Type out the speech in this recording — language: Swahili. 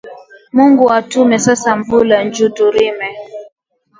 Mungu atume sasa mvula nju turime